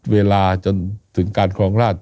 เวลาจนถึงการครองราช